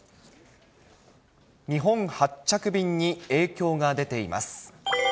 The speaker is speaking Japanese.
日本発着便に影響が出ています。